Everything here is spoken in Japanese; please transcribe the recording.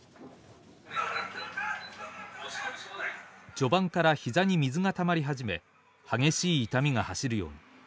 序盤から膝に水がたまり始め激しい痛みが走るように。